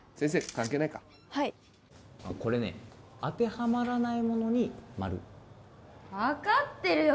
関係ないかはいこれね当てはまらないものに丸分かってるよ！